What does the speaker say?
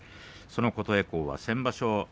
琴恵光は先場所